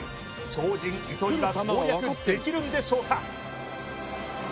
超人糸井は攻略できるんでしょうか